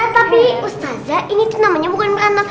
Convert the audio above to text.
tapi ustazah ini namanya bukan beranak